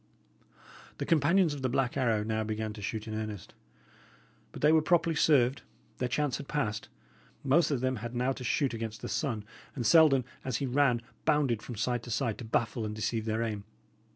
The companions of the Black Arrow now began to shoot in earnest. But they were properly served; their chance had past; most of them had now to shoot against the sun; and Selden, as he ran, bounded from side to side to baffle and deceive their aim.